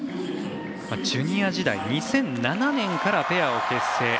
ジュニア時代２００７年からペアを結成。